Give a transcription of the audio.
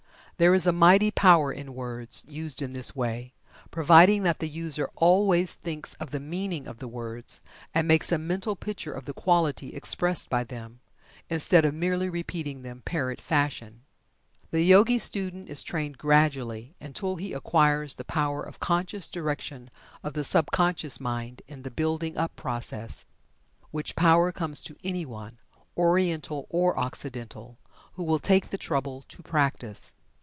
There is a mighty power in words, used in this way, providing that the user always thinks of the meaning of the words, and makes a mental picture of the quality expressed by them, instead of merely repeating them parrot fashion. The Yogi student is trained gradually, until he acquires the power of conscious direction of the sub conscious mind in the building up process, which power comes to anyone Oriental or Occidental who will take the trouble to practice.